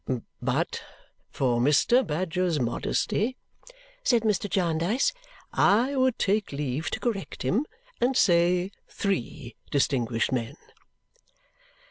"But for Mr. Badger's modesty," said Mr. Jarndyce, "I would take leave to correct him and say three distinguished men."